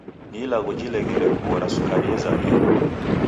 Ni ilagho jileghere kughora sukari yazamie.